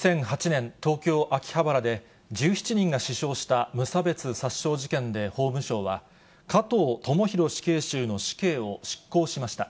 ２００８年、東京・秋葉原で、１７人が死傷した無差別殺傷事件で法務省は、加藤智大死刑囚の死刑を執行しました。